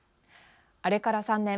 あれから３年。